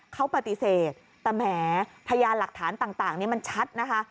เขาปฏิเสธแต่แหมพยานหลักฐานต่างนี้มันชัดนะคะ